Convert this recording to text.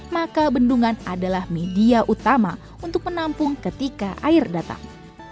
maka bendungan adalah media utama untuk menampung ketika air datang